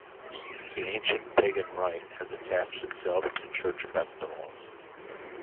The ancient pagan rite has attached itself to church festivals.